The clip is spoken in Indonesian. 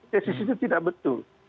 tesis itu tidak betul